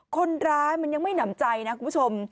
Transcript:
คนร้ายมันยังไม่หนำใจนะคุณผู้ชม